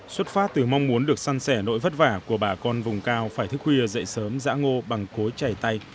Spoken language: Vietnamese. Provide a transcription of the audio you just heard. xuất phát từ mong muốn được săn sẻ nỗi vất vả của bà con vùng cao phải thức khuya dậy sớm giã ngô bằng cối chảy tay